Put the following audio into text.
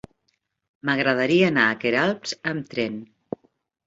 M'agradaria anar a Queralbs amb tren.